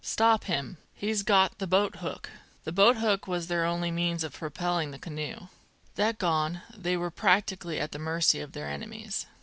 "Stop him! He's got the boathook!" The boathook was their only means of propelling the canoe. That gone, they were practically at the mercy of their enemies.